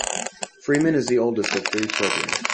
Freeman is the oldest of three children.